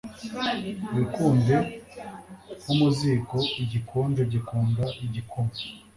Wikunde nko mu ziko igikonjo gikunda igikoma